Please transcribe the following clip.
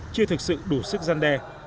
chưa thực sự đủ sức gian đe